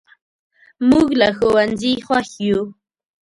موږ له ښوونځي خوښ یو.